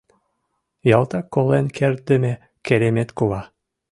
Ялтак колен кертдыме керемет кува.